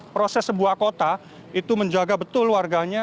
proses sebuah kota itu menjaga betul warganya